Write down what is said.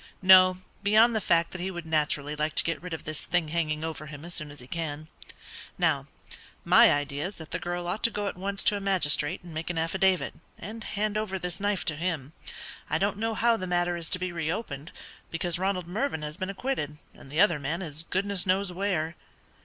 "No, beyond the fact that he would naturally like to get rid of this thing hanging over him as soon as he can. Now, my idea is that the girl ought to go at once to a magistrate and make an affidavit, and hand over this knife to him. I don't know how the matter is to be re opened, because Ronald Mervyn has been acquitted, and the other man is goodness knows where."